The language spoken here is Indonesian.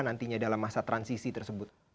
nantinya dalam masa transisi tersebut